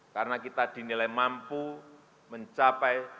karena kita dinilai mampu mencapai